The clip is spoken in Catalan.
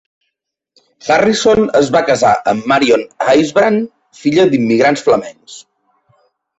Harrison es va casar amb Marion Isebrand, filla d'immigrants flamencs.